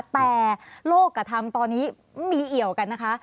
แต่โลกกระทำตอนนี้มีเอี่ยวกันนะคะ